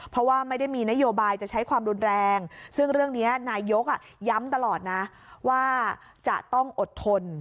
เพราะว่าไม่ได้มีนโยบายจะใช้ความรุนแรงซึ่งเรื่องนี้นายกย้ำตลอดนะว่าจะต้องอดทน